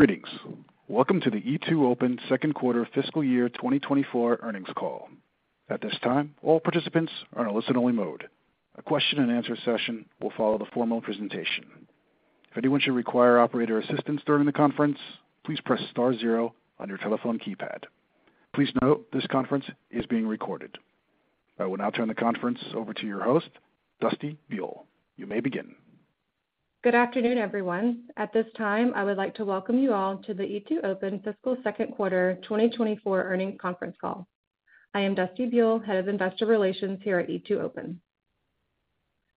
Greetings! Welcome to the E2open Q2 fiscal year 2024 earnings call. At this time, all participants are in a listen-only mode. A question-and-answer session will follow the formal presentation. If anyone should require operator assistance during the conference, please press star zero on your telephone keypad. Please note, this conference is being recorded. I will now turn the conference over to your host, Dusty Buell. You may begin. Good afternoon, everyone. At this time, I would like to welcome you all to the E2open fiscal Q2 2024 earnings conference call. I am Dusty Buell, Head of Investor Relations here at E2open.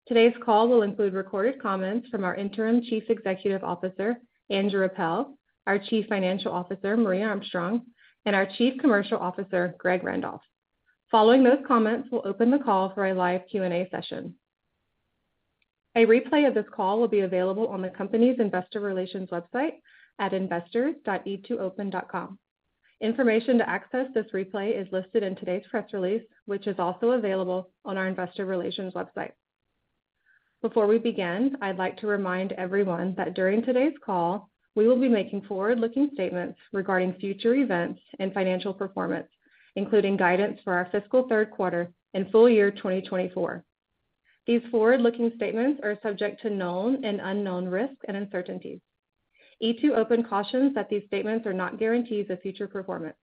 Today's call will include recorded comments from our Interim Chief Executive Officer, Andrew Appel, our Chief Financial Officer, Marje Armstrong, and our Chief Commercial Officer, Greg Randolph. Following those comments, we'll open the call for a live Q&A session. A replay of this call will be available on the company's investor relations website at investors.e2open.com. Information to access this replay is listed in today's press release, which is also available on our investor relations website. Before we begin, I'd like to remind everyone that during today's call, we will be making forward-looking statements regarding future events and financial performance, including guidance for our fiscal Q3 and full year 2024. These forward-looking statements are subject to known and unknown risks and uncertainties. E2open cautions that these statements are not guarantees of future performance.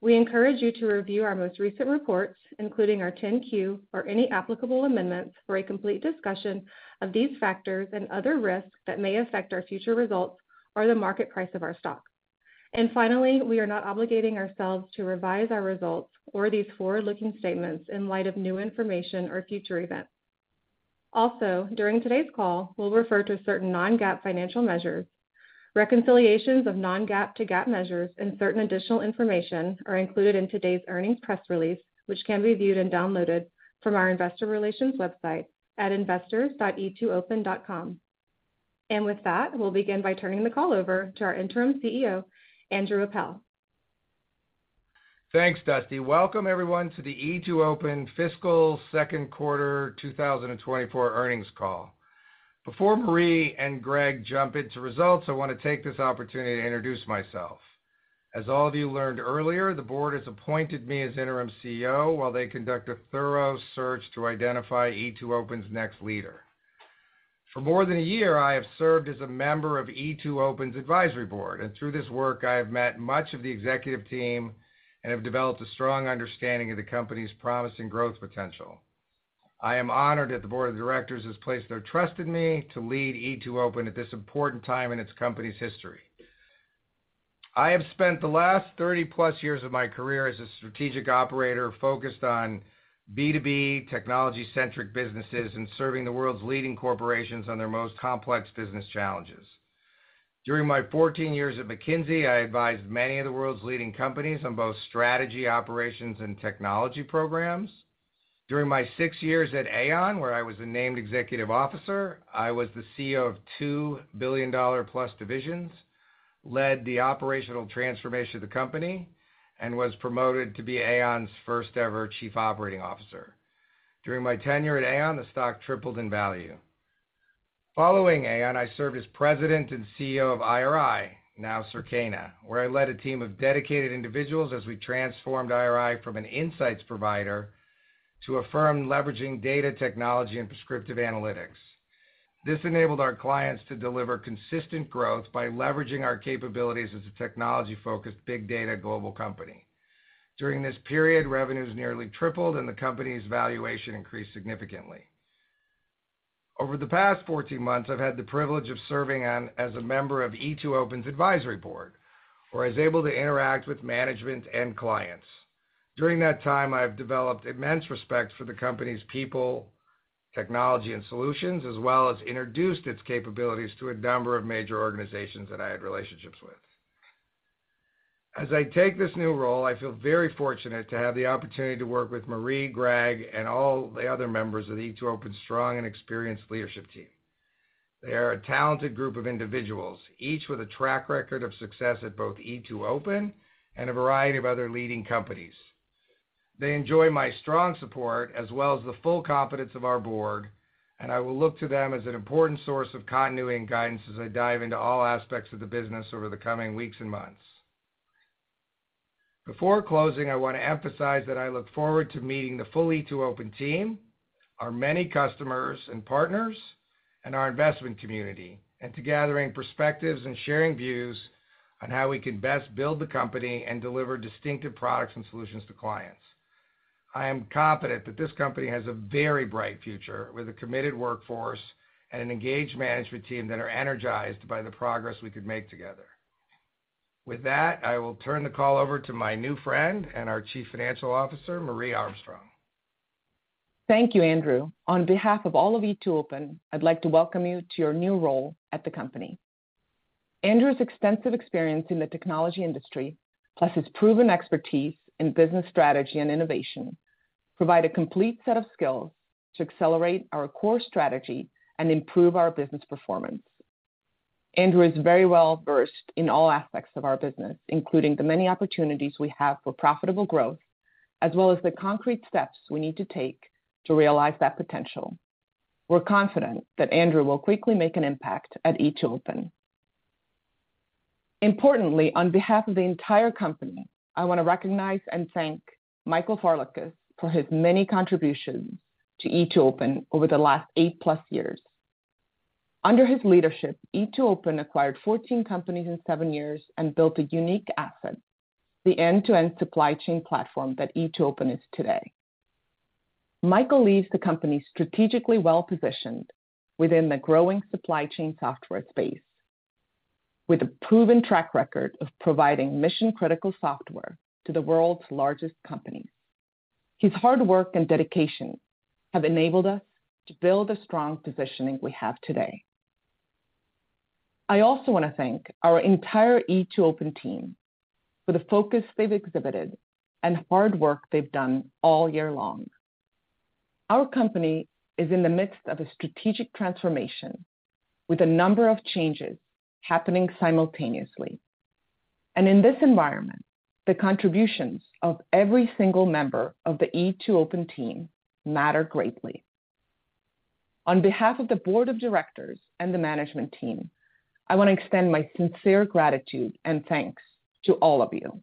We encourage you to review our most recent reports, including our 10-Q or any applicable amendments, for a complete discussion of these factors and other risks that may affect our future results or the market price of our stock. Finally, we are not obligating ourselves to revise our results or these forward-looking statements in light of new information or future events. Also, during today's call, we'll refer to certain non-GAAP financial measures. Reconciliations of non-GAAP to GAAP measures and certain additional information are included in today's earnings press release, which can be viewed and downloaded from our investor relations website at investors.e2open.com. With that, we'll begin by turning the call over to our interim CEO, Andrew Appel. Thanks, Dusty. Welcome, everyone, to the E2open fiscal Q2 2024 earnings call. Before Marje and Greg jump into results, I want to take this opportunity to introduce myself. As all of you learned earlier, the board has appointed me as interim CEO while they conduct a thorough search to identify e2open's next leader. For more than a year, I have served as a member of e2open's advisory board, and through this work, I have met much of the executive team and have developed a strong understanding of the company's promising growth potential. I am honored that the board of directors has placed their trust in me to lead e2open at this important time in its company's history. I have spent the last 30-plus years of my career as a strategic operator focused on B2B technology-centric businesses and serving the world's leading corporations on their most complex business challenges. During my 14 years at McKinsey, I advised many of the world's leading companies on both strategy, operations, and technology programs. During my six years at Aon, where I was a named executive officer, I was the CEO of two billion-dollar-plus divisions, led the operational transformation of the company, and was promoted to be Aon's first-ever chief operating officer. During my tenure at Aon, the stock tripled in value. Following Aon, I served as president and CEO of IRI, now Circana, where I led a team of dedicated individuals as we transformed IRI from an insights provider to a firm leveraging data technology and prescriptive analytics. This enabled our clients to deliver consistent growth by leveraging our capabilities as a technology-focused, big data global company. During this period, revenues nearly tripled, and the company's valuation increased significantly. Over the past 14 months, I've had the privilege of serving on as a member of e2open's advisory board, where I was able to interact with management and clients. During that time, I've developed immense respect for the company's people, technology, and solutions, as well as introduced its capabilities to a number of major organizations that I had relationships with. As I take this new role, I feel very fortunate to have the opportunity to work with Marje, Greg, and all the other members of the e2open's strong and experienced leadership team. They are a talented group of individuals, each with a track record of success at both e2open and a variety of other leading companies. They enjoy my strong support, as well as the full confidence of our board, and I will look to them as an important source of continuing guidance as I dive into all aspects of the business over the coming weeks and months. Before closing, I want to emphasize that I look forward to meeting the full e2open team, our many customers and partners, and our investment community, and to gathering perspectives and sharing views on how we can best build the company and deliver distinctive products and solutions to clients. I am confident that this company has a very bright future with a committed workforce and an engaged management team that are energized by the progress we could make together. With that, I will turn the call over to my new friend and our Chief Financial Officer, Marje Armstrong. Thank you, Andrew. On behalf of all of e2open, I'd like to welcome you to your new role at the company. Andrew's extensive experience in the technology industry, plus his proven expertise in business strategy and innovation, provide a complete set of skills to accelerate our core strategy and improve our business performance. Andrew is very well-versed in all aspects of our business, including the many opportunities we have for profitable growth-... as well as the concrete steps we need to take to realize that potential. We're confident that Andrew will quickly make an impact at e2open. Importantly, on behalf of the entire company, I want to recognize and thank Michael Farlekas for his many contributions to e2open over the last 8+ years. Under his leadership, e2open acquired 14 companies in 7 years and built a unique asset, the end-to-end supply chain platform that e2open is today. Michael leaves the company strategically well-positioned within the growing supply chain software space, with a proven track record of providing mission-critical software to the world's largest companies. His hard work and dedication have enabled us to build a strong positioning we have today. I also want to thank our entire e2open team for the focus they've exhibited and hard work they've done all year long. Our company is in the midst of a strategic transformation with a number of changes happening simultaneously, and in this environment, the contributions of every single member of the e2open team matter greatly. On behalf of the board of directors and the management team, I want to extend my sincere gratitude and thanks to all of you.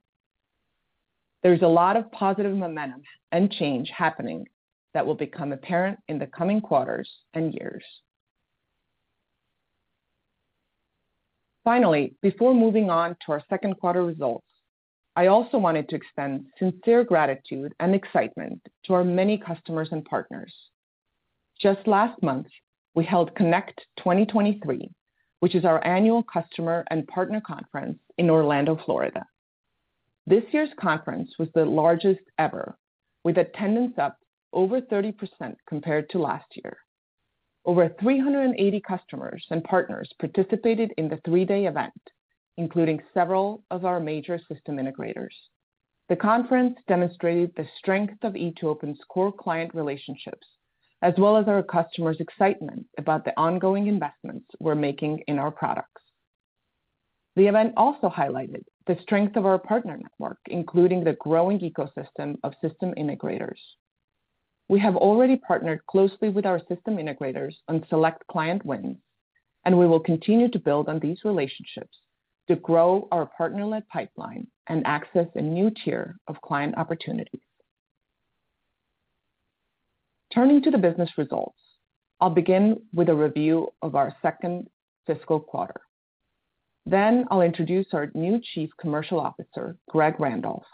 There's a lot of positive momentum and change happening that will become apparent in the coming quarters and years. Finally, before moving on to our Q2 results, I also wanted to extend sincere gratitude and excitement to our many customers and partners. Just last month, we held Connect 2023, which is our annual customer and partner conference in Orlando, Florida. This year's conference was the largest ever, with attendance up over 30% compared to last year. Over 380 customers and partners participated in the three-day event, including several of our major system integrators. The conference demonstrated the strength of e2open's core client relationships, as well as our customers' excitement about the ongoing investments we're making in our products. The event also highlighted the strength of our partner network, including the growing ecosystem of system integrators. We have already partnered closely with our system integrators on select client wins, and we will continue to build on these relationships to grow our partner-led pipeline and access a new tier of client opportunities. Turning to the business results, I'll begin with a review of our second fiscal quarter. Then I'll introduce our new Chief Commercial Officer, Greg Randolph.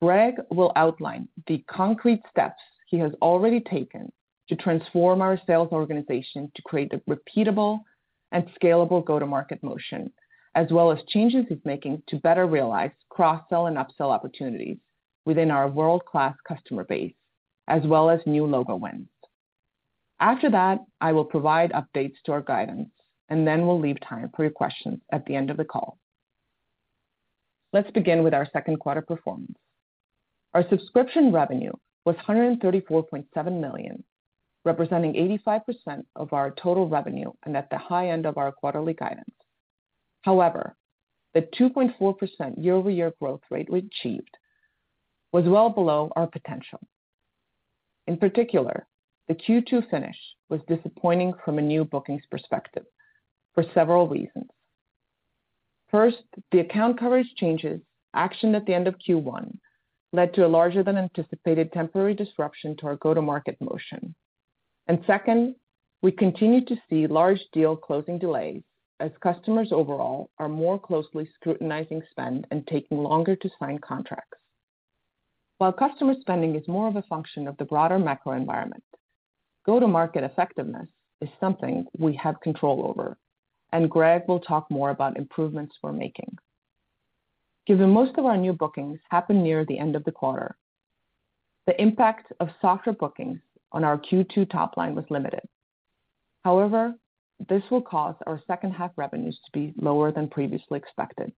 Greg will outline the concrete steps he has already taken to transform our sales organization to create the repeatable and scalable go-to-market motion, as well as changes he's making to better realize cross-sell and upsell opportunities within our world-class customer base, as well as new logo wins. After that, I will provide updates to our guidance, and then we'll leave time for your questions at the end of the call. Let's begin with our Q2 performance. Our subscription revenue was $134.7 million, representing 85% of our total revenue and at the high end of our quarterly guidance. However, the 2.4% year-over-year growth rate we achieved was well below our potential. In particular, the Q2 finish was disappointing from a new bookings perspective for several reasons. First, the account coverage changes actioned at the end of Q1 led to a larger than anticipated temporary disruption to our go-to-market motion. And second, we continued to see large deal closing delays as customers overall are more closely scrutinizing spend and taking longer to sign contracts. While customer spending is more of a function of the broader macro environment, go-to-market effectiveness is something we have control over, and Greg will talk more about improvements we're making. Given most of our new bookings happen near the end of the quarter, the impact of softer bookings on our Q2 top line was limited. However, this will cause our H2 revenues to be lower than previously expected.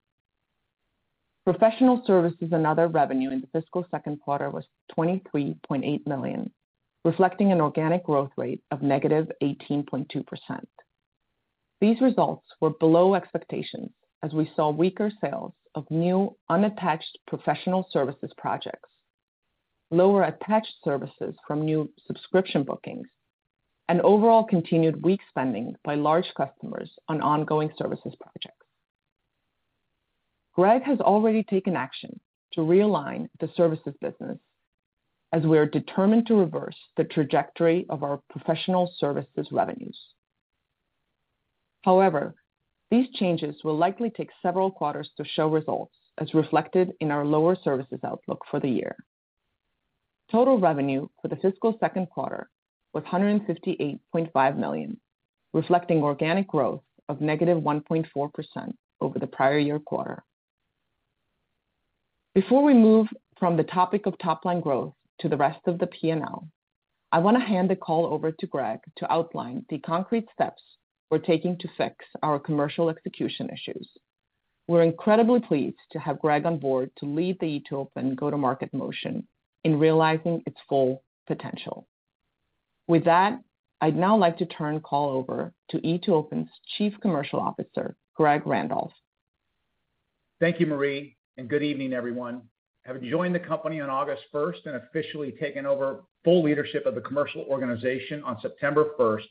Professional services and other revenue in the fiscal Q2 was $23.8 million, reflecting an organic growth rate of -18.2%. These results were below expectations as we saw weaker sales of new, unattached professional services projects, lower attached services from new subscription bookings, and overall continued weak spending by large customers on ongoing services projects. Greg has already taken action to realign the services business, as we are determined to reverse the trajectory of our professional services revenues. However, these changes will likely take several quarters to show results, as reflected in our lower services outlook for the year. Total revenue for the fiscal Q2 was $158.5 million, reflecting organic growth of -1.4% over the prior year quarter. Before we move from the topic of top-line growth to the rest of the PNL, I want to hand the call over to Greg to outline the concrete steps we're taking to fix our commercial execution issues. We're incredibly pleased to have Greg on board to lead the e2open go-to-market motion in realizing its full potential. With that, I'd now like to turn the call over to e2open's Chief Commercial Officer, Greg Randolph. Thank you, Marje, and good evening everyone. Having joined the company on August first and officially taken over full leadership of the commercial organization on September first,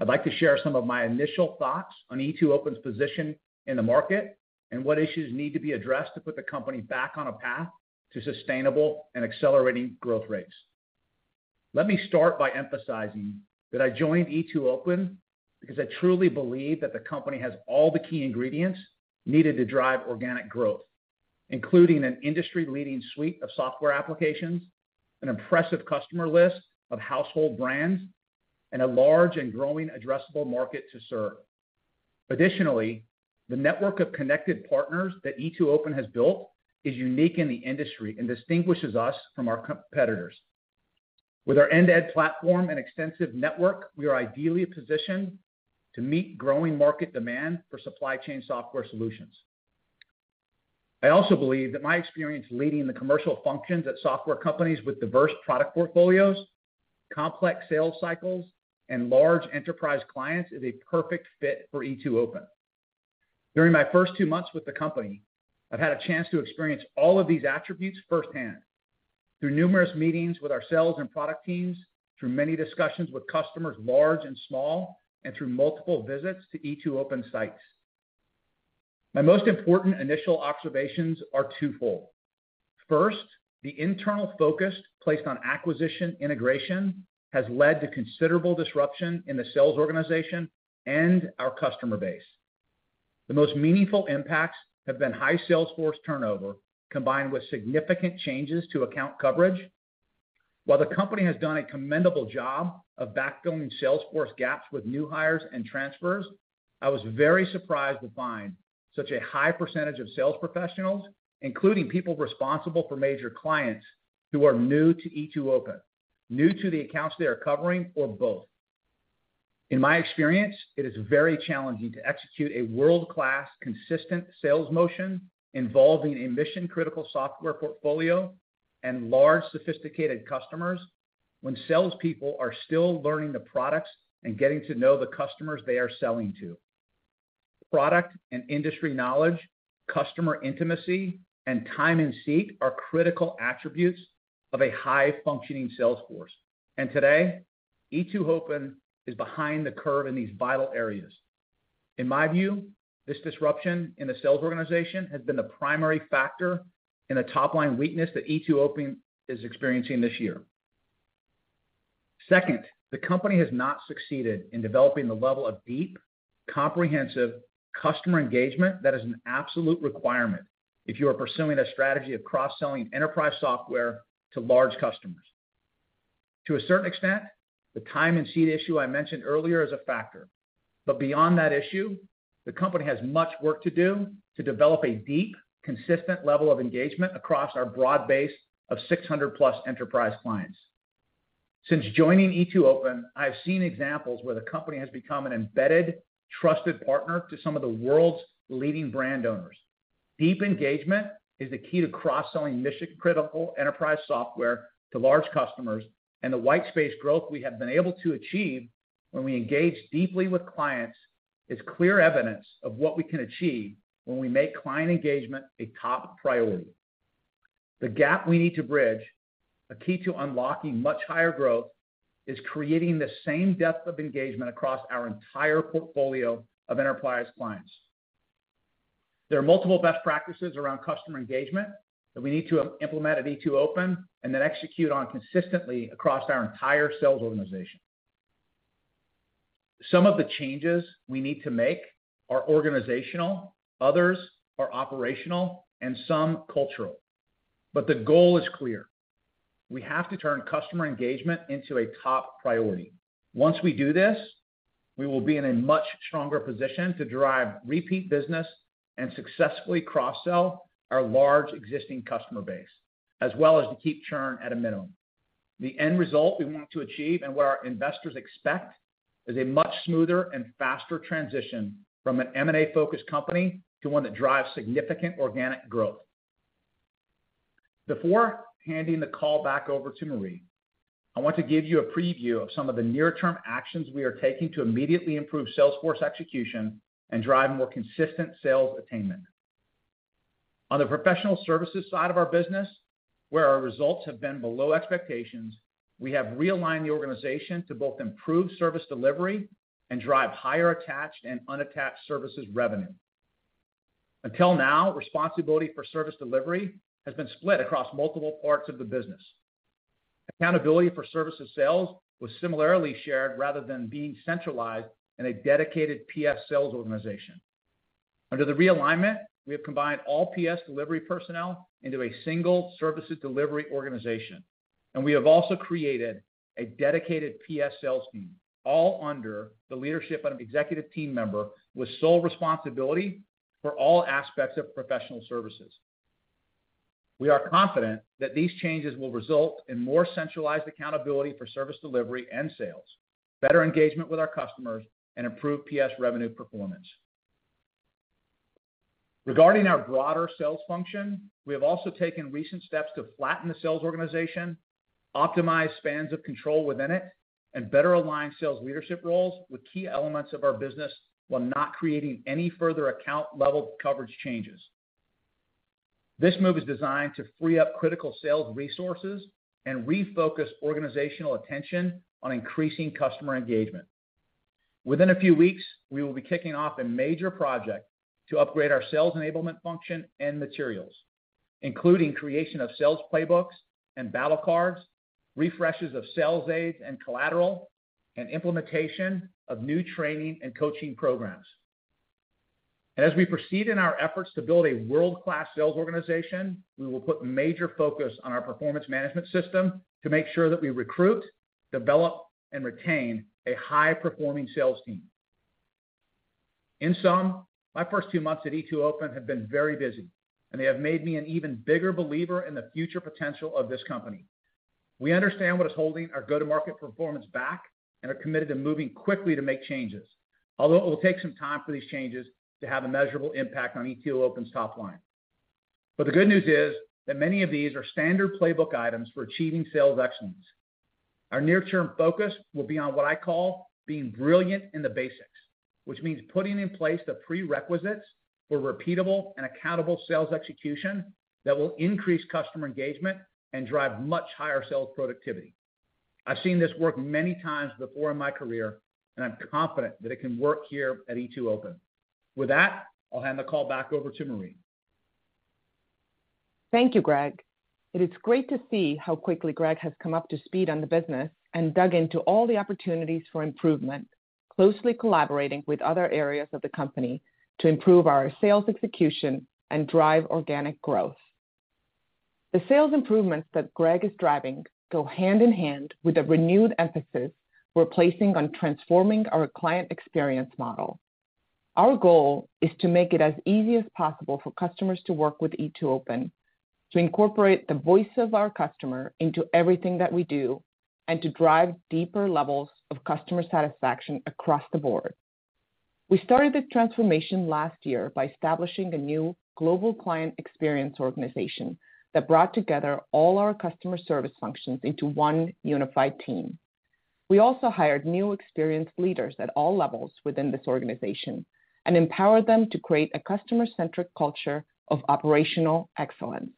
I'd like to share some of my initial thoughts on e2open's position in the market, and what issues need to be addressed to put the company back on a path to sustainable and accelerating growth rates. Let me start by emphasizing that I joined e2open because I truly believe that the company has all the key ingredients needed to drive organic growth, including an industry-leading suite of software applications, an impressive customer list of household brands, and a large and growing addressable market to serve. Additionally, the network of connected partners that e2open has built is unique in the industry and distinguishes us from our competitors. With our end-to-end platform and extensive network, we are ideally positioned to meet growing market demand for supply chain software solutions. I also believe that my experience leading the commercial functions at software companies with diverse product portfolios, complex sales cycles, and large enterprise clients, is a perfect fit for e2open. During my first two months with the company, I've had a chance to experience all of these attributes firsthand, through numerous meetings with our sales and product teams, through many discussions with customers large and small, and through multiple visits to e2open sites. My most important initial observations are twofold. First, the internal focus placed on acquisition integration has led to considerable disruption in the sales organization and our customer base. The most meaningful impacts have been high sales force turnover, combined with significant changes to account coverage. While the company has done a commendable job of backfilling sales force gaps with new hires and transfers, I was very surprised to find such a high percentage of sales professionals, including people responsible for major clients, who are new to E2open, new to the accounts they are covering, or both. In my experience, it is very challenging to execute a world-class, consistent sales motion involving a mission-critical software portfolio and large, sophisticated customers when salespeople are still learning the products and getting to know the customers they are selling to. Product and industry knowledge, customer intimacy, and time in seat are critical attributes of a high-functioning sales force, and today, e2open is behind the curve in these vital areas. In my view, this disruption in the sales organization has been the primary factor in the top-line weakness that e2open is experiencing this year. Second, the company has not succeeded in developing the level of deep, comprehensive customer engagement that is an absolute requirement if you are pursuing a strategy of cross-selling enterprise software to large customers. To a certain extent, the time and seat issue I mentioned earlier is a factor. But beyond that issue, the company has much work to do to develop a deep, consistent level of engagement across our broad base of 600+ enterprise clients. Since joining E2open, I've seen examples where the company has become an embedded, trusted partner to some of the world's leading brand owners. Deep engagement is the key to cross-selling mission-critical enterprise software to large customers, and the white space growth we have been able to achieve when we engage deeply with clients is clear evidence of what we can achieve when we make client engagement a top priority. The gap we need to bridge, a key to unlocking much higher growth, is creating the same depth of engagement across our entire portfolio of enterprise clients. There are multiple best practices around customer engagement that we need to implement at E2open, and then execute on consistently across our entire sales organization. Some of the changes we need to make are organizational, others are operational, and some cultural. But the goal is clear: we have to turn customer engagement into a top priority. Once we do this, we will be in a much stronger position to drive repeat business and successfully cross-sell our large existing customer base, as well as to keep churn at a minimum. The end result we want to achieve, and what our investors expect, is a much smoother and faster transition from an M&A-focused company to one that drives significant organic growth. Before handing the call back over to Marje, I want to give you a preview of some of the near-term actions we are taking to immediately improve sales force execution and drive more consistent sales attainment. On the Professional Services side of our business, where our results have been below expectations, we have realigned the organization to both improve service delivery and drive higher attached and unattached services revenue. Until now, responsibility for service delivery has been split across multiple parts of the business. Accountability for services sales was similarly shared rather than being centralized in a dedicated PS sales organization. Under the realignment, we have combined all PS delivery personnel into a single services delivery organization, and we have also created a dedicated PS sales team, all under the leadership of an executive team member with sole responsibility for all aspects of professional services. We are confident that these changes will result in more centralized accountability for service delivery and sales, better engagement with our customers, and improved PS revenue performance. Regarding our broader sales function, we have also taken recent steps to flatten the sales organization, optimize spans of control within it, and better align sales leadership roles with key elements of our business, while not creating any further account-level coverage changes. This move is designed to free up critical sales resources and refocus organizational attention on increasing customer engagement. Within a few weeks, we will be kicking off a major project to upgrade our sales enablement function and materials, including creation of sales playbooks and battle cards, refreshes of sales aids and collateral, and implementation of new training and coaching programs. As we prEceed in our efforts to build a world-class sales organization, we will put major focus on our performance management system to make sure that we recruit, develop, and retain a high-performing sales team. In sum, my first two months at e2open have been very busy, and they have made me an even bigger believer in the future potential of this company. We understand what is holding our go-to-market performance back and are committed to moving quickly to make changes, although it will take some time for these changes to have a measurable impact on e2open's top line. But the good news is that many of these are standard playbook items for achieving sales excellence. Our near-term focus will be on what I call being brilliant in the basics, which means putting in place the prerequisites for repeatable and accountable sales execution that will increase customer engagement and drive much higher sales productivity. I've seen this work many times before in my career, and I'm confident that it can work here at e2open. With that, I'll hand the call back over to Marje. Thank you, Greg. It is great to see how quickly Greg has come up to speed on the business and dug into all the opportunities for improvement, closely collaborating with other areas of the company to improve our sales execution and drive organic growth. The sales improvements that Greg is driving go hand in hand with a renewed emphasis we're placing on transforming our client experience model. Our goal is to make it as easy as possible for customers to work with e2open, to incorporate the voice of our customer into everything that we do, and to drive deeper levels of customer satisfaction across the board. We started this transformation last year by establishing a new global client experience organization that brought together all our customer service functions into one unified team. We also hired new experienced leaders at all levels within this organization and empowered them to create a customer-centric culture of operational excellence.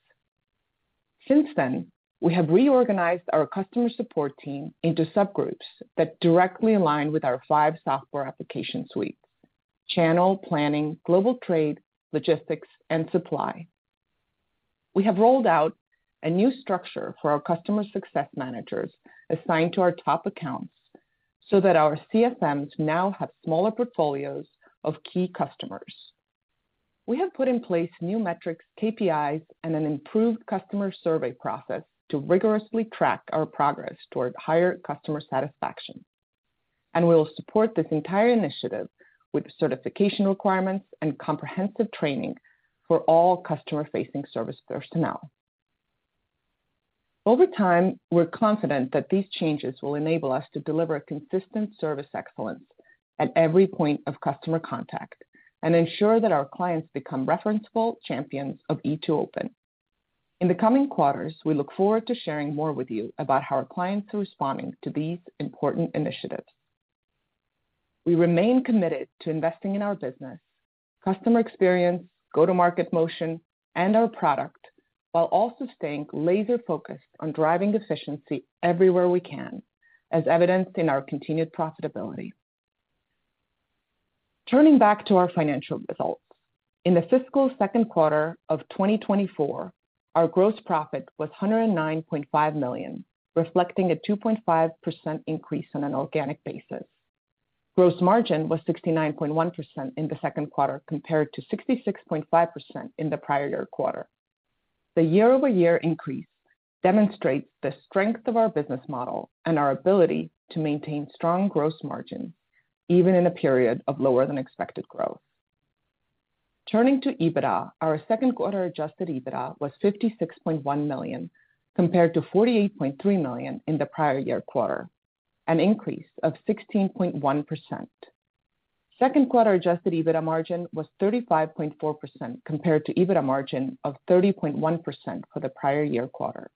Since then, we have reorganized our customer support team into subgroups that directly align with our five software application suites: channel planning, global trade, logistics, and supply. We have rolled out a new structure for our customer success managers assigned to our top accounts, so that our CSMs now have smaller portfolios of key customers. We have put in place new metrics, KPIs, and an improved customer survey process to rigorously track our progress toward higher customer satisfaction, and we will support this entire initiative with certification requirements and comprehensive training for all customer-facing service personnel. Over time, we're confident that these changes will enable us to deliver consistent service excellence at every point of customer contact and ensure that our clients become referenceable champions of e2open. In the coming quarters, we look forward to sharing more with you about how our clients are responding to these important initiatives. We remain committed to investing in our business, customer experience, go-to-market motion, and our product, while also staying laser-focused on driving efficiency everywhere we can, as evidenced in our continued profitability. Turning back to our financial results, in the fiscal Q2 of 2024, our gross profit was $109.5 million, reflecting a 2.5% increase on an organic basis. Gross margin was 69.1% in the Q2, compared to 66.5% in the prior year quarter. The year-over-year increase demonstrates the strength of our business model and our ability to maintain strong gross margin, even in a period of lower than expected growth. Turning to EBITDA, our Q2 adjusted EBITDA was $56.1 million, compared to $48.3 million in the prior year quarter, an increase of 16.1%. Q2 adjusted EBITDA margin was 35.4%, compared to EBITDA margin of 30.1% for the prior year quarter.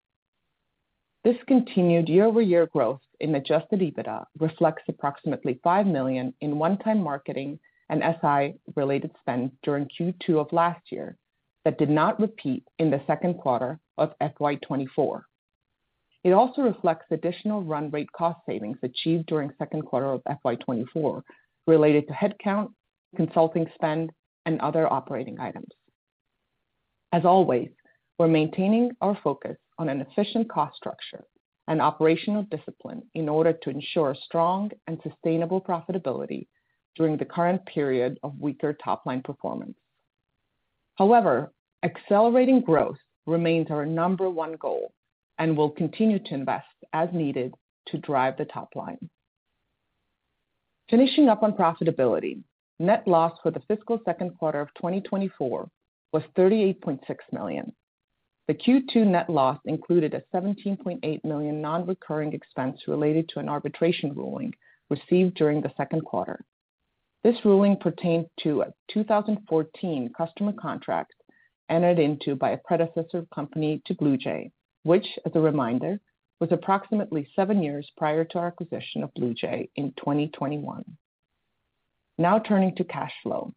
This continued year-over-year growth in adjusted EBITDA reflects approximately $5 million in one-time marketing and SI-related spend during Q2 of last year that did not repeat in the Q2 of FY 2024. It also reflects additional run rate cost savings achieved during Q2 of FY 2024, related to headcount, consulting spend, and other operating items. As always, we're maintaining our focus on an efficient cost structure and operational discipline in order to ensure strong and sustainable profitability during the current period of weaker top-line performance. However, accelerating growth remains our number 1 goal, and we'll continue to invest as needed to drive the top line. Finishing up on profitability, net loss for the fiscal Q2 of 2024 was $38.6 million. The Q2 net loss included a $17.8 million nonrecurring expense related to an arbitration ruling received during the Q2. This ruling pertained to a 2014 customer contract entered into by a predecessor company to BluJay, which, as a reminder, was approximately 7 years prior to our acquisition of BluJay in 2021. Now turning to cash flow.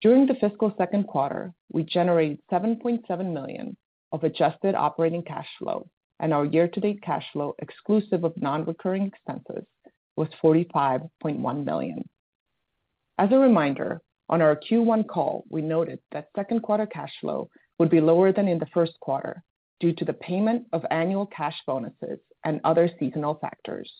During the fiscal Q2, we generated $7.7 million of adjusted operating cash flow, and our year-to-date cash flow, exclusive of nonrecurring expenses, was $45.1 million. As a reminder, on our Q1 call, we noted that Q2 cash flow would be lower than in the Q1 due to the payment of annual cash bonuses and other seasonal factors.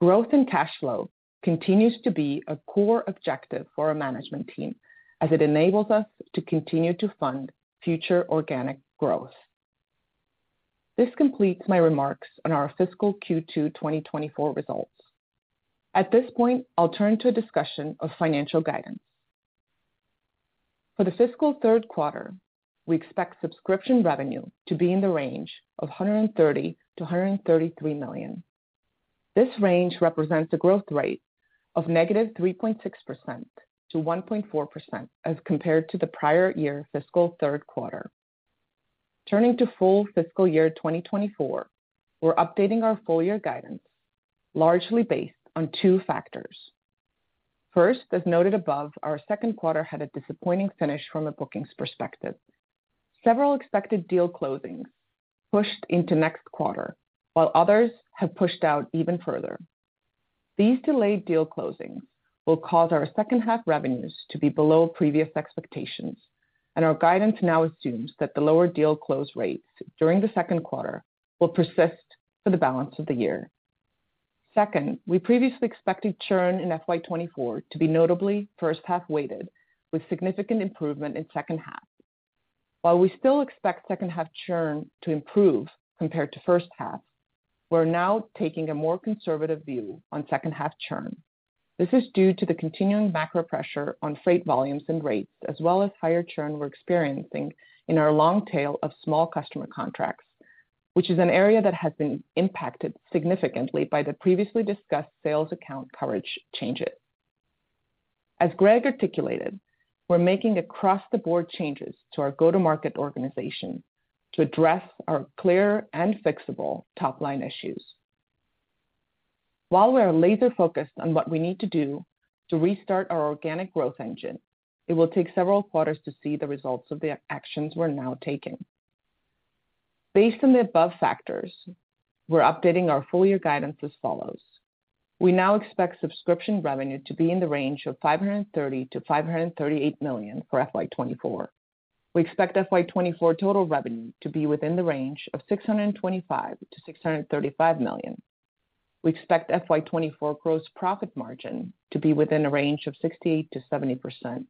Growth in cash flow continues to be a core objective for our management team, as it enables us to continue to fund future organic growth. This completes my remarks on our fiscal Q2 2024 results. At this point, I'll turn to a discussion of financial guidance. For the fiscal Q3, we expect subscription revenue to be in the range of $130 million-$133 million. This range represents a growth rate of -3.6% to 1.4% as compared to the prior year fiscal Q3. Turning to full fiscal year 2024, we're updating our full year guidance largely based on two factors. First, as noted above, our Q2 had a disappointing finish from a bookings perspective. Several expected deal closings pushed into next quarter, while others have pushed out even further. These delayed deal closings will cause our second half revenues to be below previous expectations, and our guidance now assumes that the lower deal close rates during the Q2 will persist for the balance of the year. Second, we previously expected churn in FY 2024 to be notably H1-weighted, with significant improvement in second half. While we still expect second half churn to improve compared to H1, we're now taking a more conservative view on second half churn. This is due to the continuing macro pressure on freight volumes and rates, as well as higher churn we're experiencing in our long tail of small customer contracts, which is an area that has been impacted significantly by the previously discussed sales account coverage changes. As Greg articulated, we're making across-the-board changes to our go-to-market organization to address our clear and fixable top-line issues. While we are laser-focused on what we need to do to restart our organic growth engine, it will take several quarters to see the results of the actions we're now taking. Based on the above factors, we're updating our full year guidance as follows: We now expect subscription revenue to be in the range of $530 million-$538 million for FY 2024. We expect FY 2024 total revenue to be within the range of $625 million-$635 million. We expect FY 2024 gross profit margin to be within a range of 60%-70%.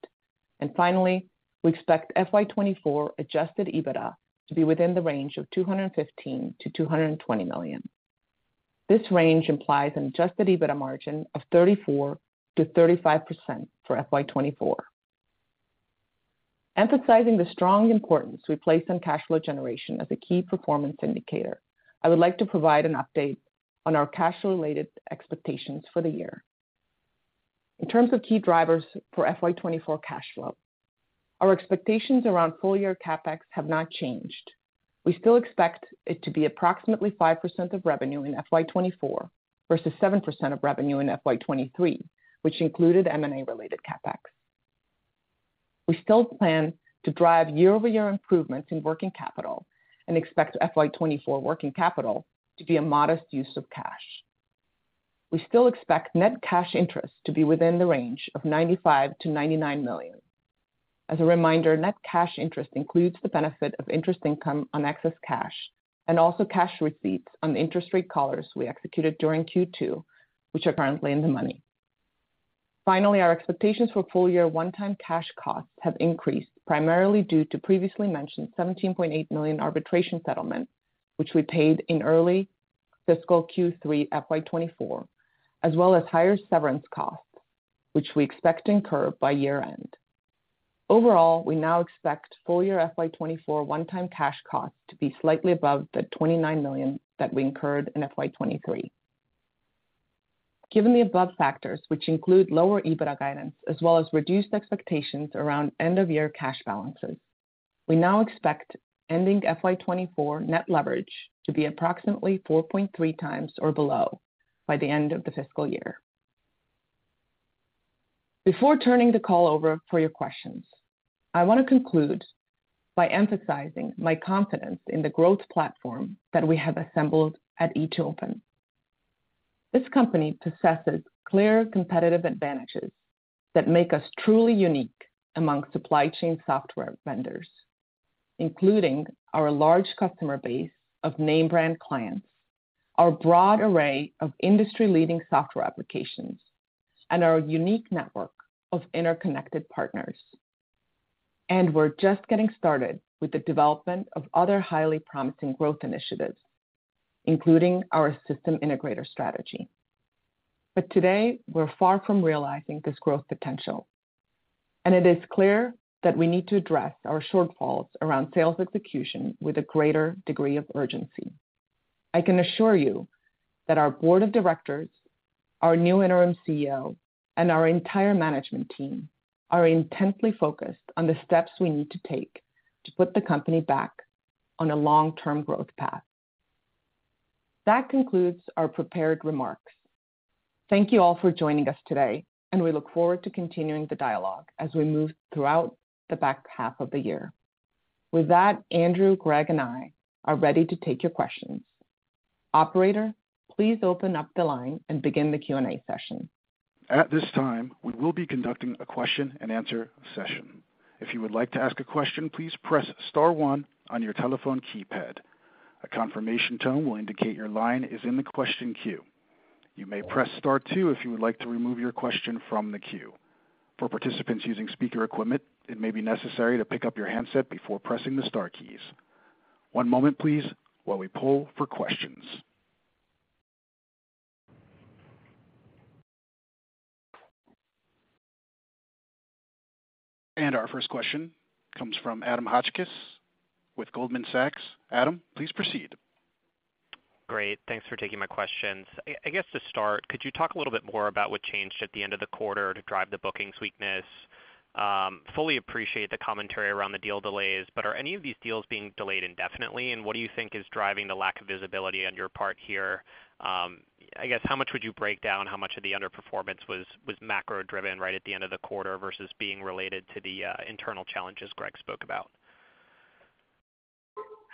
And finally, we expect FY 2024 adjusted EBITDA to be within the range of $215 million-$220 million. This range implies an adjusted EBITDA margin of 34%-35% for FY 2024. Emphasizing the strong importance we place on cash flow generation as a key performance indicator, I would like to provide an update on our cash-related expectations for the year. In terms of key drivers for FY 2024 cash flow, our expectations around full year CapEx have not changed. We still expect it to be approximately 5% of revenue in FY 2024 versus 7% of revenue in FY 2023, which included M&A-related CapEx. We still plan to drive year-over-year improvements in working capital and expect FY 2024 working capital to be a modest use of cash. We still expect net cash interest to be within the range of $95 million-$99 million. As a reminder, net cash interest includes the benefit of interest income on excess cash and also cash receipts on the interest rate collars we executed during Q2, which are currently in the money. Finally, our expectations for full-year one-time cash costs have increased, primarily due to previously mentioned $17.8 million arbitration settlement, which we paid in early fiscal Q3 FY 2024, as well as higher severance costs, which we expect to incur by year-end. Overall, we now expect full year FY 2024 one-time cash costs to be slightly above the $29 million that we incurred in FY 2023. Given the above factors, which include lower EBITDA guidance, as well as reduced expectations around end-of-year cash balances, we now expect ending FY 2024 net leverage to be approximately 4.3x or below by the end of the fiscal year. Before turning the call over for your questions, I want to conclude by emphasizing my confidence in the growth platform that we have assembled at e2open. This company possesses clear competitive advantages that make us truly unique among supply chain software vendors, including our large customer base of name brand clients, our broad array of industry-leading software applications, and our unique network of interconnected partners. We're just getting started with the development of other highly promising growth initiatives, including our system integrator strategy.... But today, we're far from realizing this growth potential, and it is clear that we need to address our shortfalls around sales execution with a greater degree of urgency. I can assure you that our board of directors, our new Interim CEO, and our entire management team are intensely focused on the steps we need to take to put the company back on a long-term growth path. That concludes our prepared remarks. Thank you all for joining us today, and we look forward to continuing the dialogue as we move throughout the back half of the year. With that, Andrew, Greg, and I are ready to take your questions. Operator, please open up the line and begin the Q&A session. At this time, we will be conducting a question-and-answer session. If you would like to ask a question, please press star one on your telephone keypad. A confirmation tone will indicate your line is in the question queue. You may press star two if you would like to remove your question from the queue. For participants using speaker equipment, it may be necessary to pick up your handset before pressing the star keys. One moment, please, while we poll for questions. Our first question comes from Adam Hotchkiss with Goldman Sachs. Adam, please proceed. Great. Thanks for taking my questions. I guess, to start, could you talk a little bit more about what changed at the end of the quarter to drive the bookings weakness? Fully appreciate the commentary around the deal delays, but are any of these deals being delayed indefinitely, and what do you think is driving the lack of visibility on your part here? I guess, how much would you break down how much of the underperformance was macro-driven right at the end of the quarter versus being related to the internal challenges Greg spoke about?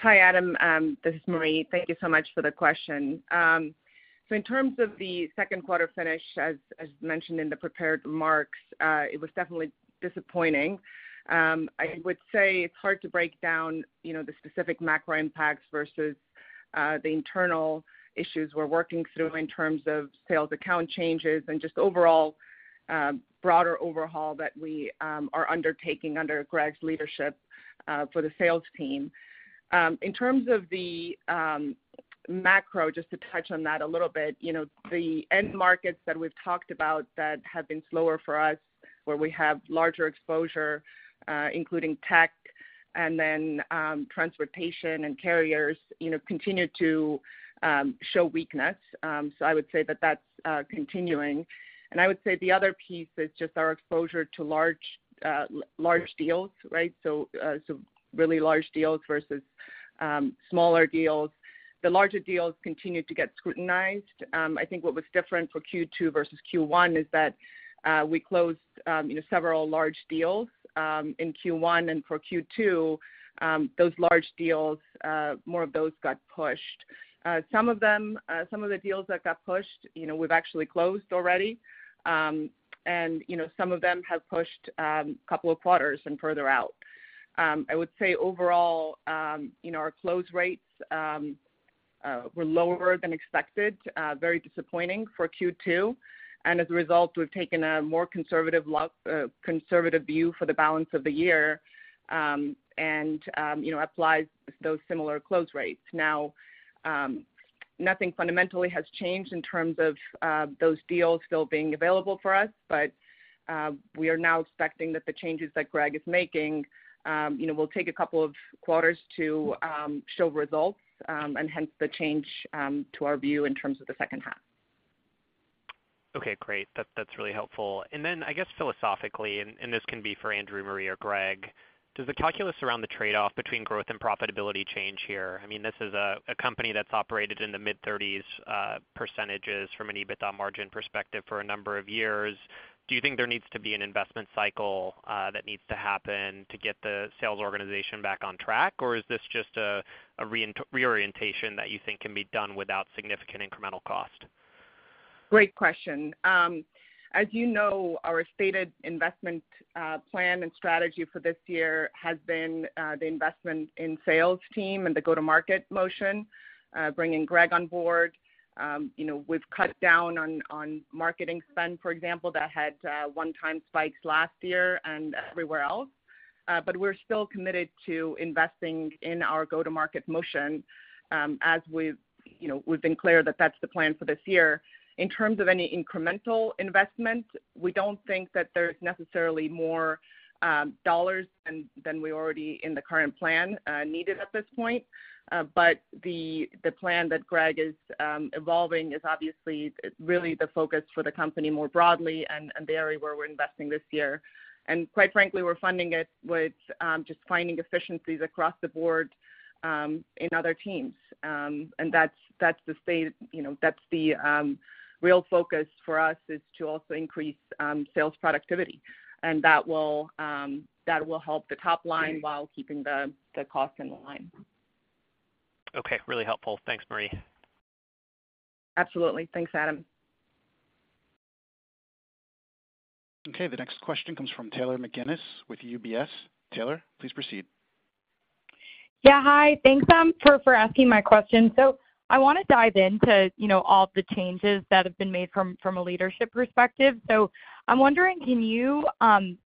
Hi, Adam. This is Marje. Thank you so much for the question. So in terms of the Q2 finish, as mentioned in the prepared remarks, it was definitely disappointing. I would say it's hard to break down, you know, the specific macro impacts versus the internal issues we're working through in terms of sales account changes and just overall broader overhaul that we are undertaking under Greg's leadership for the sales team. In terms of the macro, just to touch on that a little bit, you know, the end markets that we've talked about that have been slower for us, where we have larger exposure, including tech and then transportation and carriers, you know, continue to show weakness. So I would say that that's continuing. I would say the other piece is just our exposure to large, large deals, right? Really large deals versus, you know, smaller deals. The larger deals continue to get scrutinized. I think what was different for Q2 versus Q1 is that we closed, you know, several large deals in Q1, and for Q2, those large deals, more of those got pushed. Some of them, some of the deals that got pushed, you know, we've actually closed already. And, you know, some of them have pushed a couple of quarters and further out. I would say overall, you know, our close rates were lower than expected, very disappointing for Q2. And as a result, we've taken a more conservative view for the balance of the year, and, you know, applied those similar close rates. Now, nothing fundamentally has changed in terms of, those deals still being available for us, but, we are now expecting that the changes that Greg is making, you know, will take a couple of quarters to, show results, and hence the change, to our view in terms of the second half. Okay, great. That's really helpful. And then, I guess, philosophically, and this can be for Andrew, Marje, or Greg, does the calculus around the trade-off between growth and profitability change here? I mean, this is a company that's operated in the mid-30s% from an EBITDA margin perspective for a number of years. Do you think there needs to be an investment cycle that needs to happen to get the sales organization back on track, or is this just a reorientation that you think can be done without significant incremental cost? Great question. As you know, our stated investment plan and strategy for this year has been the investment in sales team and the go-to-market motion, bringing Greg on board. You know, we've cut down on marketing spend, for example, that had one-time spikes last year and everywhere else. But we're still committed to investing in our go-to-market motion, as we've, you know, we've been clear that that's the plan for this year. In terms of any incremental investment, we don't think that there's necessarily more dollars than we already in the current plan needed at this point. But the plan that Greg is evolving is obviously really the focus for the company more broadly and the area where we're investing this year. Quite frankly, we're funding it with just finding efficiencies across the board in other teams. That's, you know, that's the real focus for us, is to also increase sales productivity. That will help the top line while keeping the cost in line. Okay, really helpful. Thanks, Marje. Absolutely. Thanks, Adam. Okay, the next question comes from Taylor McGinnis with UBS. Taylor, please proceed. Yeah, hi. Thanks for asking my question. So I wanna dive into, you know, all the changes that have been made from a leadership perspective. So I'm wondering, can you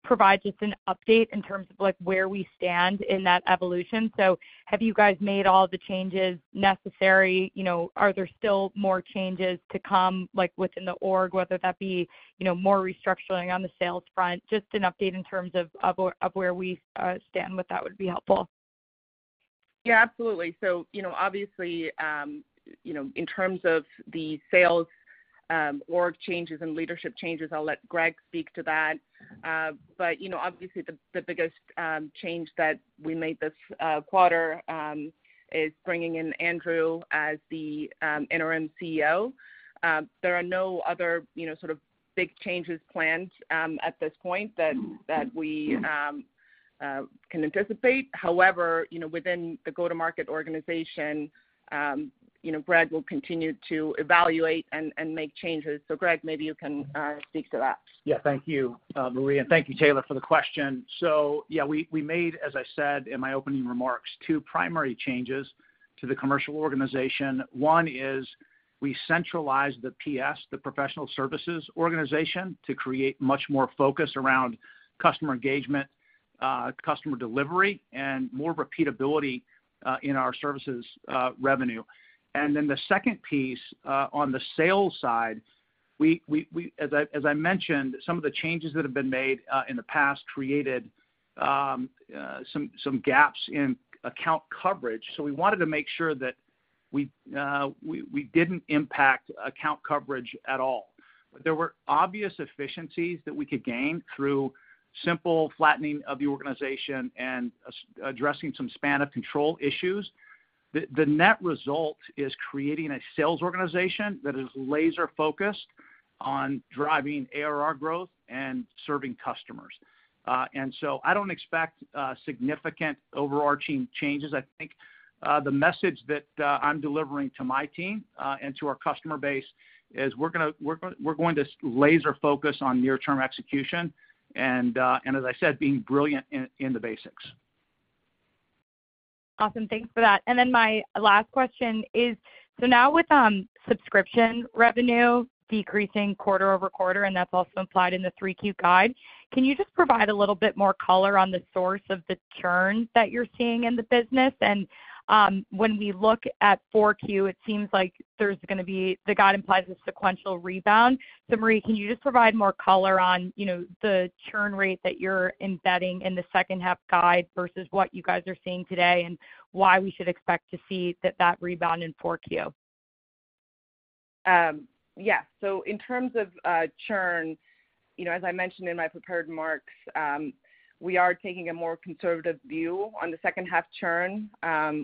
provide just an update in terms of, like, where we stand in that evolution? So have you guys made all the changes necessary? You know, are there still more changes to come, like, within the org, whether that be, you know, more restructuring on the sales front? Just an update in terms of where we stand with that would be helpful. Yeah, absolutely. So, you know, obviously, you know, in terms of the sales, org changes and leadership changes, I'll let Greg speak to that. But, you know, obviously, the, the biggest, change that we made this, quarter, is bringing in Andrew as the, interim CEO. There are no other, you know, sort of big changes planned, at this point that, that we, can anticipate. However, you know, within the go-to-market organization, you know, Greg will continue to evaluate and, and make changes. So Greg, maybe you can, speak to that. Yeah. Thank you, Marje, and thank you, Taylor, for the question. So, yeah, we made, as I said in my opening remarks, two primary changes to the commercial organization. One is we centralized the PS, the professional services organization, to create much more focus around customer engagement, customer delivery, and more repeatability in our services revenue. And then the second piece, on the sales side, as I mentioned, some of the changes that have been made in the past created some gaps in account coverage. So we wanted to make sure that we didn't impact account coverage at all. There were obvious efficiencies that we could gain through simple flattening of the organization and addressing some span of control issues. The net result is creating a sales organization that is laser focused on driving ARR growth and serving customers. And so I don't expect significant overarching changes. I think the message that I'm delivering to my team and to our customer base is we're going to laser focus on near-term execution, and as I said, being brilliant in the basics. Awesome. Thanks for that. And then my last question is, so now with, subscription revenue decreasing quarter-over-quarter, and that's also implied in the 3Q guide, can you just provide a little bit more color on the source of the churn that you're seeing in the business? And, when we look at 4Q, it seems like there's gonna be, the guide implies a sequential rebound. So Marje, can you just provide more color on, you know, the churn rate that you're embedding in the second half guide versus what you guys are seeing today, and why we should expect to see that, that rebound in 4Q? Yeah. So in terms of churn, you know, as I mentioned in my prepared remarks, we are taking a more conservative view on the second half churn,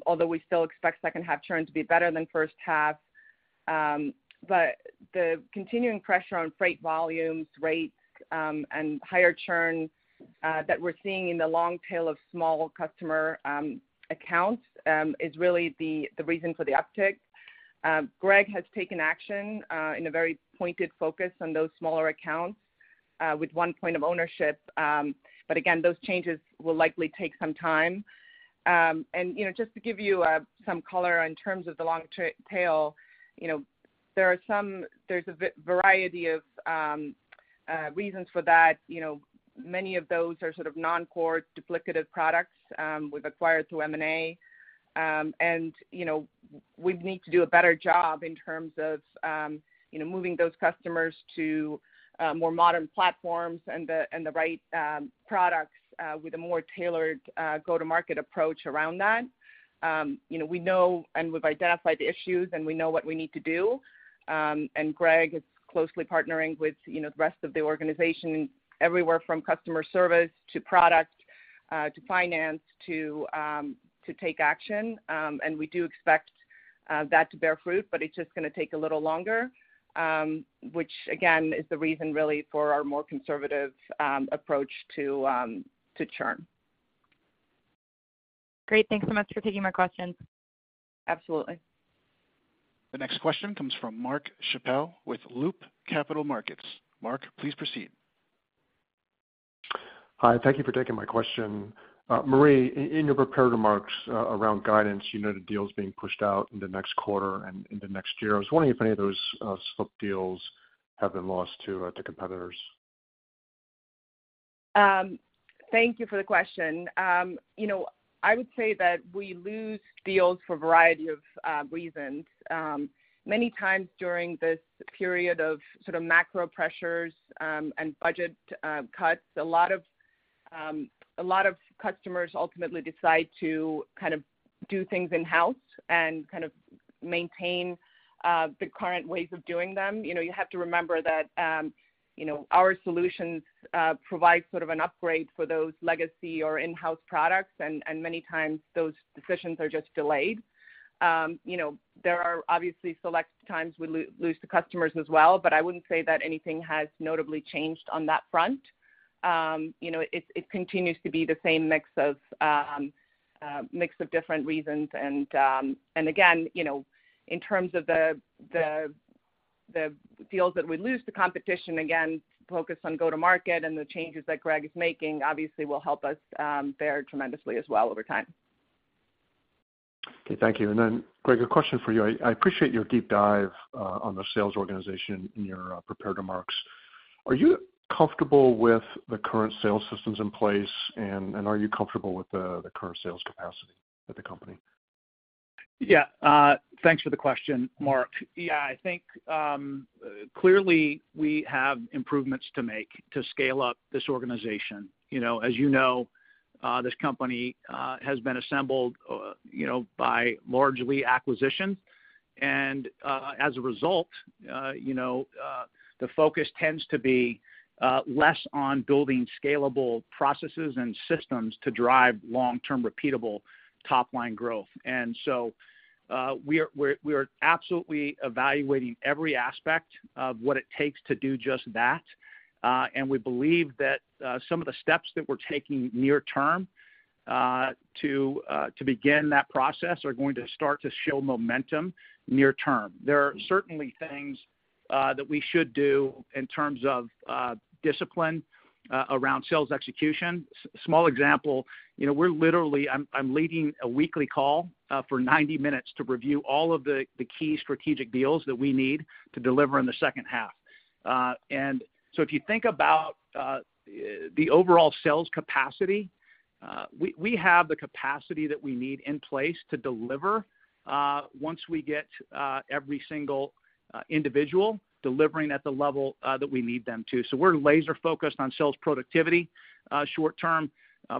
although we still expect second half churn to be better than Q1. But the continuing pressure on freight volumes, rates, and higher churn that we're seeing in the long tail of small customer accounts is really the reason for the uptick. Greg has taken action in a very pointed focus on those smaller accounts with one point of ownership. But again, those changes will likely take some time. And, you know, just to give you some color in terms of the long tail, you know, there's a variety of reasons for that. You know, many of those are sort of non-core duplicative products, we've acquired through M&A. And, you know, we need to do a better job in terms of, you know, moving those customers to, more modern platforms and the, and the right, products, with a more tailored, go-to-market approach around that. You know, we know and we've identified the issues, and we know what we need to do. And Greg is closely partnering with, you know, the rest of the organization, everywhere from customer service to product, to finance, to, to take action. And we do expect, that to bear fruit, but it's just gonna take a little longer, which, again, is the reason really for our more conservative, approach to, to churn. Great. Thanks so much for taking my question. Absolutely. The next question comes from Mark Schappel with Loop Capital Markets. Mark, please proceed. Hi, thank you for taking my question. Marje, in your prepared remarks around guidance, you noted deals being pushed out in the next quarter and in the next year. I was wondering if any of those slipped deals have been lost to competitors? Thank you for the question. You know, I would say that we lose deals for a variety of reasons. Many times during this period of sort of macro pressures, and budget cuts, a lot of customers ultimately decide to kind of do things in-house and kind of maintain the current ways of doing them. You know, you have to remember that, you know, our solutions provide sort of an upgrade for those legacy or in-house products, and many times those decisions are just delayed. You know, there are obviously select times we lose the customers as well, but I wouldn't say that anything has notably changed on that front. You know, it continues to be the same mix of different reasons and again, you know, in terms of the deals that we lose to competition, again, focus on go-to-market, and the changes that Greg is making obviously will help us there tremendously as well over time. Okay, thank you. And then, Greg, a question for you. I appreciate your deep dive on the sales organization in your prepared remarks. Are you comfortable with the current sales systems in place, and are you comfortable with the current sales capacity of the company? Yeah, thanks for the question, Mark. Yeah, I think, clearly, we have improvements to make to scale up this organization. You know, as you know, this company has been assembled, you know, by largely acquisition. And, as a result, you know, the focus tends to be, you know, less on building scalable processes and systems to drive long-term, repeatable top-line growth. You know, we are—we're, we are absolutely evaluating every aspect of what it takes to do just that. You know, we believe that some of the steps that we're taking near term to begin that process are going to start to show momentum near term. There are certainly things that we should do in terms of discipline around sales execution. S-small example, you know, we're literally... I'm leading a weekly call for 90 minutes to review all of the key strategic deals that we need to deliver in the second half. And so if you think about the overall sales capacity, we have the capacity that we need in place to deliver once we get every single individual delivering at the level that we need them to. So we're laser focused on sales productivity short term,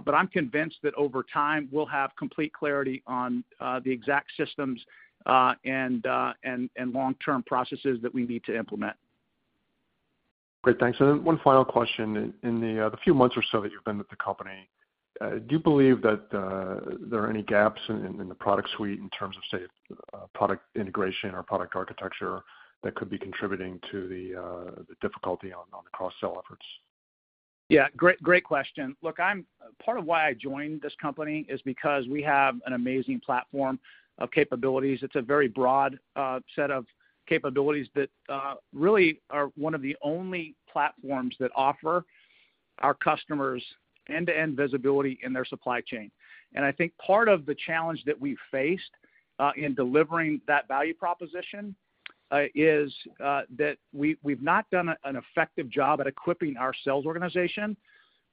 but I'm convinced that over time, we'll have complete clarity on the exact systems and long-term processes that we need to implement. Great, thanks. And then one final question. In the few months or so that you've been with the company, do you believe that there are any gaps in the product suite in terms of, say, product integration or product architecture, that could be contributing to the difficulty on the cross-sell efforts? Yeah, great, great question. Look, I'm part of why I joined this company is because we have an amazing platform of capabilities. It's a very broad set of capabilities that really are one of the only platforms that offer our customers end-to-end visibility in their supply chain. And I think part of the challenge that we faced in delivering that value proposition is that we, we've not done an effective job at equipping our sales organization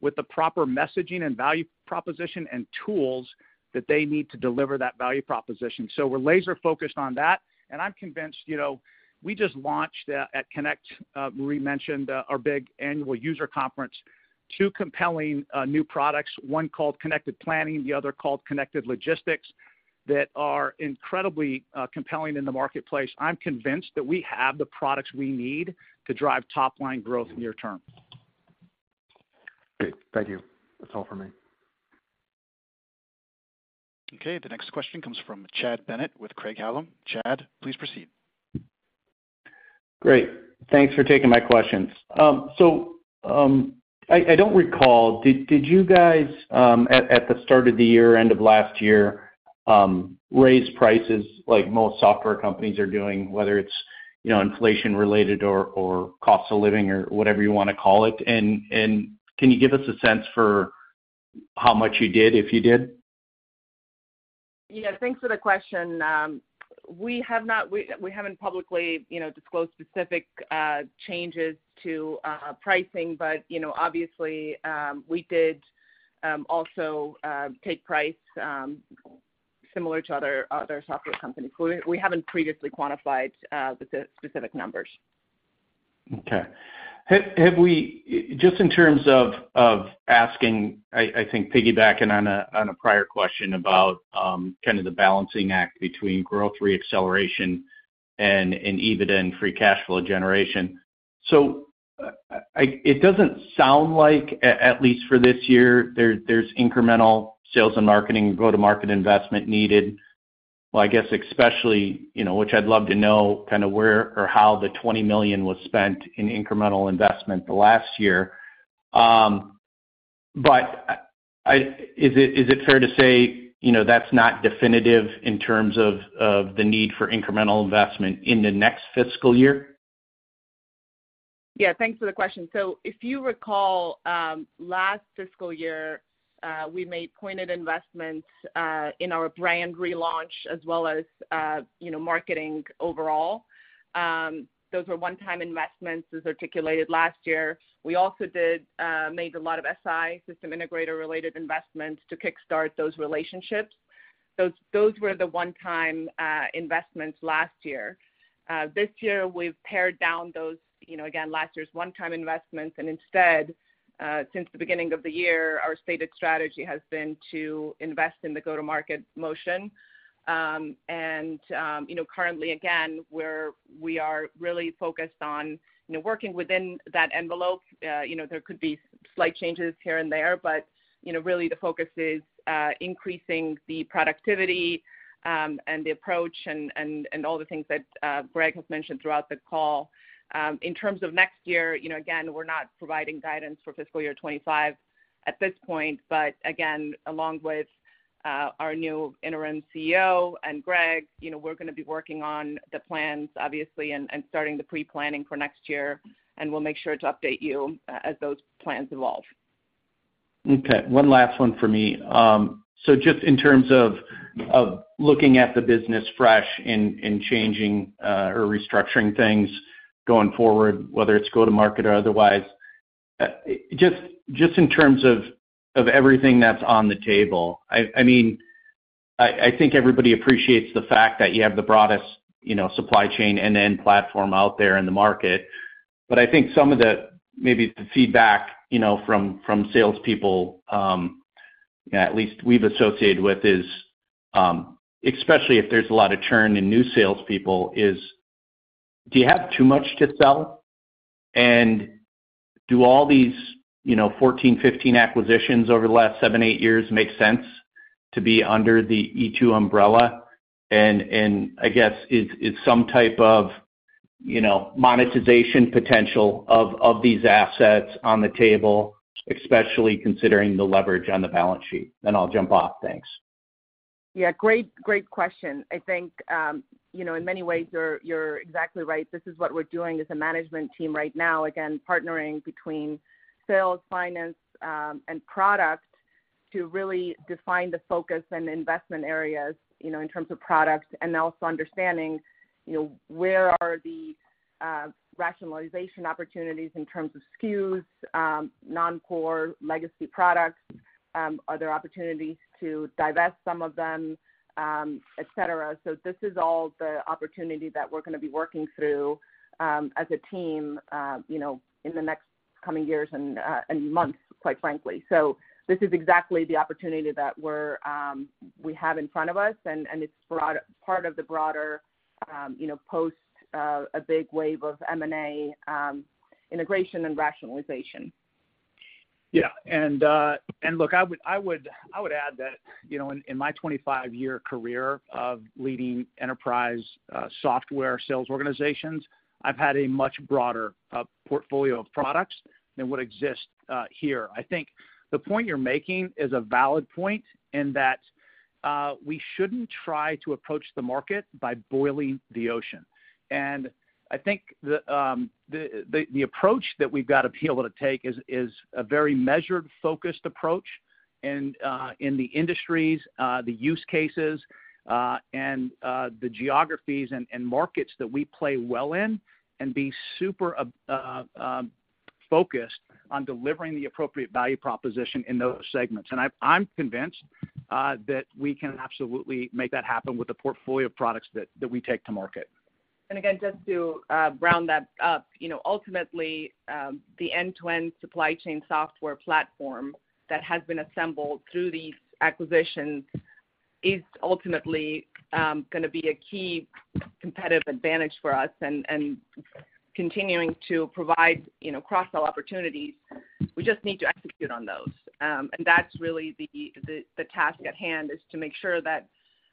with the proper messaging and value proposition and tools that they need to deliver that value proposition. So we're laser focused on that, and I'm convinced, you know, we just launched at Connect, Marje mentioned our big annual user conference, two compelling new products, one called Connected Planning, the other called Connected Logistics, that are incredibly compelling in the marketplace. I'm convinced that we have the products we need to drive top-line growth near term. Great. Thank you. That's all for me. Okay, the next question comes from Chad Bennett with Craig-Hallum. Chad, please proceed. Great. Thanks for taking my questions. So, I don't recall, did you guys at the start of the year, end of last year, raise prices like most software companies are doing, whether it's, you know, inflation related or cost of living or whatever you wanna call it? And can you give us a sense for how much you did, if you did? Yeah, thanks for the question. We haven't publicly, you know, disclosed specific changes to pricing, but, you know, obviously, we did also take price similar to other software companies. We haven't previously quantified the specific numbers. Okay. Have we just in terms of asking, I think piggybacking on a prior question about kind of the balancing act between growth re-acceleration and EBITDA and free cash flow generation. So it doesn't sound like, at least for this year, there's incremental sales and marketing, go-to-market investment needed. Well, I guess especially, you know, which I'd love to know, kind of where or how the $20 million was spent in incremental investment the last year. But is it fair to say, you know, that's not definitive in terms of the need for incremental investment in the next fiscal year? Yeah, thanks for the question. So if you recall, last fiscal year, we made pointed investments in our brand relaunch, as well as, you know, marketing overall. Those were one-time investments, as articulated last year. We also made a lot of SI, System Integrator-related investments to kickstart those relationships. Those were the one-time investments last year. This year, we've pared down those, you know, again, last year's one-time investments, and instead, since the beginning of the year, our stated strategy has been to invest in the go-to-market motion. And, you know, currently, again, we are really focused on, you know, working within that envelope. You know, there could be slight changes here and there, but, you know, really the focus is increasing the productivity and the approach and all the things that Greg has mentioned throughout the call. In terms of next year, you know, again, we're not providing guidance for fiscal year 2025 at this point. But again, along with our new Interim CEO and Greg, you know, we're gonna be working on the plans, obviously, and starting the pre-planning for next year, and we'll make sure to update you as those plans evolve. Okay, one last one for me. So just in terms of looking at the business fresh and changing or restructuring things going forward, whether it's go-to-market or otherwise, just in terms of everything that's on the table, I mean, I think everybody appreciates the fact that you have the broadest, you know, supply chain end-to-end platform out there in the market. But I think some of the, maybe the feedback, you know, from salespeople, at least we've associated with, is especially if there's a lot of churn in new salespeople, do you have too much to sell? And do all these, you know, 14, 15 acquisitions over the last 7, 8 years make sense to be under the E2 umbrella? I guess is some type of, you know, monetization potential of these assets on the table, especially considering the leverage on the balance sheet? Then I'll jump off. Thanks. Yeah, great, great question. I think, you know, in many ways, you're exactly right. This is what we're doing as a management team right now, again, partnering between sales, finance, and product to really define the focus and investment areas, you know, in terms of products, and also understanding, you know, where are the rationalization opportunities in terms of SKUs, non-core legacy products? Are there opportunities to divest some of them, et cetera? So this is all the opportunity that we're gonna be working through, as a team, you know, in the next coming years and months, quite frankly. So this is exactly the opportunity that we have in front of us, and it's broad part of the broader, you know, post a big wave of M&A, integration and rationalization. Yeah. And look, I would add that, you know, in my 25-year career of leading enterprise software sales organizations, I've had a much broader portfolio of products than what exists here. I think the point you're making is a valid point in that we shouldn't try to approach the market by boiling the ocean. And I think the approach that we've got to be able to take is a very measured, focused approach, and in the industries, the use cases, and the geographies and markets that we play well in and be super focused on delivering the appropriate value proposition in those segments. And I'm convinced that we can absolutely make that happen with the portfolio of products that we take to market. Just to round that up, you know, ultimately, the end-to-end supply chain software platform that has been assembled through these acquisitions is ultimately gonna be a key competitive advantage for us and continuing to provide, you know, cross-sell opportunities. We just need to execute on those. That's really the task at hand, is to make sure that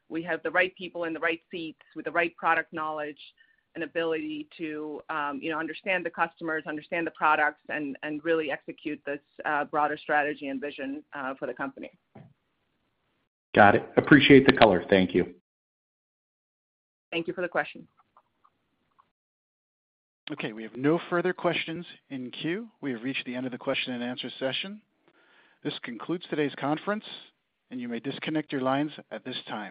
we have the right people in the right seats, with the right product knowledge and ability to, you know, understand the customers, understand the products, and really execute this broader strategy and vision for the company. Got it. Appreciate the color. Thank you. Thank you for the question. Okay. We have no further questions in queue. We have reached the end of the question and answer session. This concludes today's conference, and you may disconnect your lines at this time.